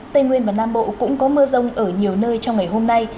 tây nguyên và nam bộ cũng có mưa rông ở nhiều nơi trong ngày hôm nay